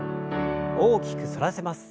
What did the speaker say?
大きく反らせます。